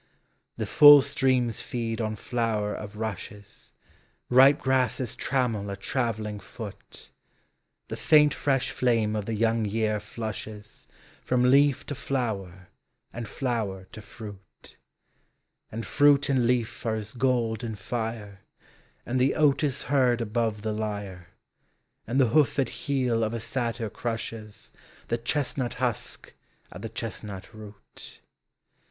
The full streams feed on flower of rushes, Kipe grasses trammel a travelling foot, The faint fresh flame of the voiinc; vear Hushes From leaf to flower and flower to fruit; And fruit and leaf are as gold and fiie, And the oat is heard above the lyre, And the hoofed heel of a satyr crushes The chestnut husk at the chestnut root.